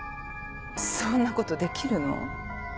そんなことできるの？